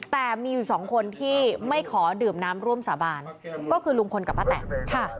แต่มีอยู่สองคนที่ไม่ขอดื่มน้ำร่วมสาบานก็คือลุงพลกับป้าแตนค่ะ